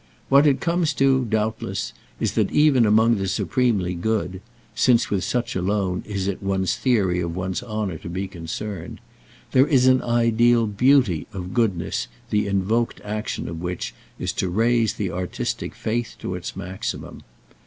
What it comes to, doubtless, is that even among the supremely good—since with such alone is it one's theory of one's honour to be concerned—there is an ideal beauty of goodness the invoked action of which is to raise the artistic faith to its maximum.